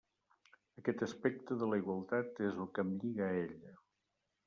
Aquest aspecte de la igualtat és el que em lliga a ella.